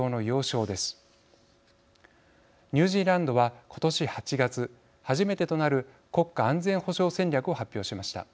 ニュージーランドは今年８月初めてとなる国家安全保障戦略を発表しました。